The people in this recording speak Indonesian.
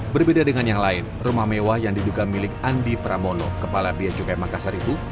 berbeda dengan yang lain rumah mewah yang diduga milik andi pramono kepala bia cukai makassar itu